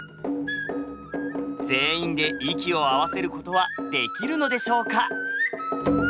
全員で息を合わせることはできるのでしょうか？